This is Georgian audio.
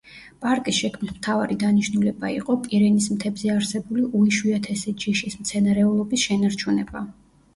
პარკის შექმნის მთავარი დანიშნულება იყო, პირინის მთებზე არსებული უიშვიათესი ჯიშის მცენარეულობის შენარჩუნება.